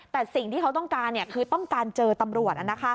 แต่สิ่งที่เขาต้องการเนี่ยคือต้องการเจอตำรวจน่ะนะคะ